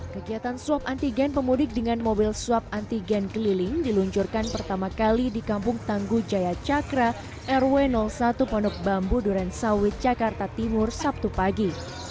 kegiatan swab antigen pemudik dengan mobil swab antigen keliling diluncurkan pertama kali di kampung tangguh jaya cakra rw satu pondok bambu durensawit jakarta timur sabtu pagi